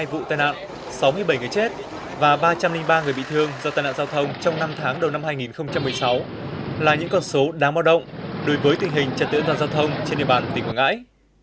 hai trăm hai mươi hai vụ tai nạn sáu mươi bảy người chết và ba trăm linh ba người bị thương do tai nạn giao thông trong năm tháng đầu năm hai nghìn một mươi sáu là những con số đáng bao động đối với tình hình trật tượng giao thông trên địa bàn tỉnh quảng ngãi